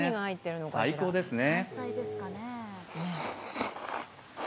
最高ですね。